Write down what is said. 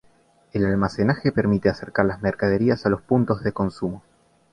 El almacenaje permite acercar las mercaderías a los puntos de consumo.